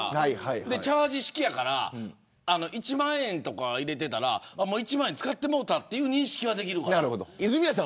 チャージ式やから１万円を入れてたら１万円使ってもうたという認識ができるから。